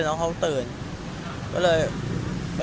ส่งทางเข้า